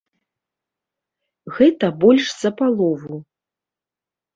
Гэта больш за палову.